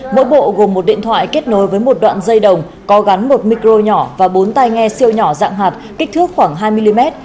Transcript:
mỗi bộ gồm một điện thoại kết nối với một đoạn dây đồng có gắn một micro nhỏ và bốn tay nghe siêu nhỏ dạng hạt kích thước khoảng hai mm